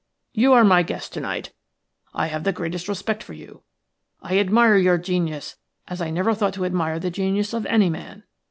You are my guest to night. I have the greatest respect for you; I admire your genius as I never thought to admire the genius of any man.